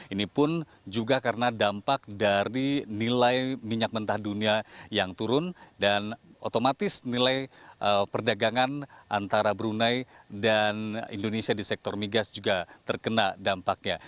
ini pun juga karena dampak dari nilai minyak mentah dunia yang turun dan otomatis nilai perdagangan antara brunei dan indonesia di sektor migas juga terkena dampaknya